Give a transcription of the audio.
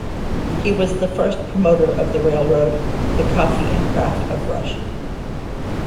He was the first promoter of the railroad, the coffee and craft of rush.